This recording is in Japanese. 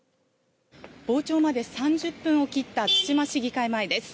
傍聴まで３０分を切った対馬市議会前です。